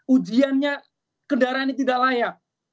ujiannya kendaraan ini tidak layak